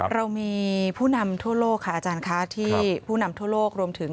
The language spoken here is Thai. เรามีผู้นำทั่วโลกค่ะอาจารย์คะที่ผู้นำทั่วโลกรวมถึง